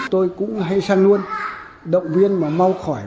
tôi cũng hay sang luôn động viên mà mau khỏe